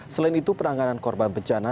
selain itu penanganan korban bencana